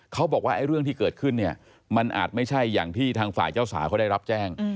เขาบอกว่าเรื่องที่เกิดขึ้นเนี่ยมันอาจไม่ใช่อย่างที่ทางฝ่ายเจ้าสาวเขาได้รับแจ้ง